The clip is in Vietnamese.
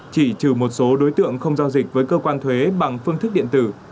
chỉ trừ một số đối tượng không giao dịch với cơ quan thuế bằng phương thức điện tử